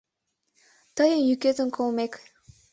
Тыйын йӱкетым колмек